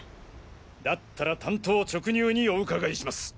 だったら単刀直入にお伺いします。